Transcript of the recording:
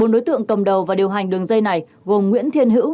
bốn đối tượng cầm đầu và điều hành đường dây này gồm nguyễn thiên hữu